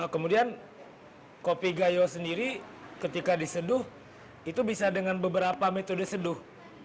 kemudian kopi gayo sendiri ketika diseduh itu bisa dengan beberapa metode seduh